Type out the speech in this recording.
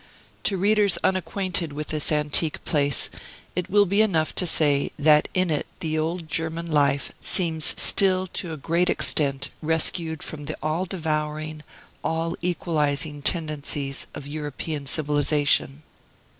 To readers unacquainted with this antique place, it will be enough to say that in it the old German life seems still to a great extent rescued from the all devouring, all equalizing tendencies of European civilization.